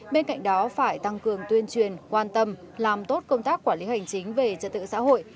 bên cạnh đó phải tăng cường tuyên truyền quan tâm làm tốt công tác quản lý hành chính về trật tự xã hội